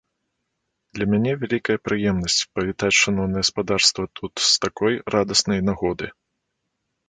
Для мяне вялікая прыемнасць павітаць шаноўнае спадарства тут з такой радаснай нагоды.